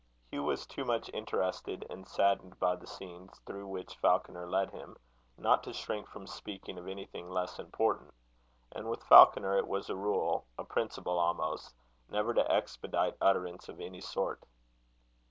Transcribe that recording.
Hugh was too much interested and saddened by the scenes through which Falconer led him, not to shrink from speaking of anything less important; and with Falconer it was a rule, a principle almost, never to expedite utterance of any sort.